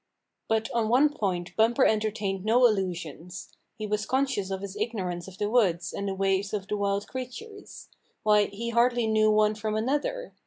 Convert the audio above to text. But on one point Bumper entertained no il lusions. He was conscious of his ignorance of the woods and the ways of the wild creatures. Why, he hardly knew one from another!